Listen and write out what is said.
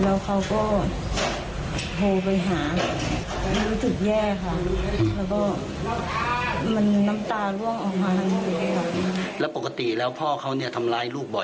แล้วก็มันน้ำตาล่วงออกมาแล้วปกติแล้วพ่อเขาเนี่ยทำร้ายลูกบ่อยไหม